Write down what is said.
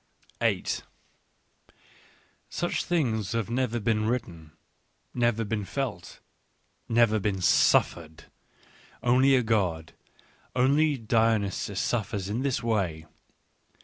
8 Such things have never been written, never been felt, never been suffered', only a God, only Dionysus suffers in this way.